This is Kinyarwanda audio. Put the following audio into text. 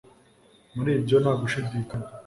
muri ibyo nta gushidikanya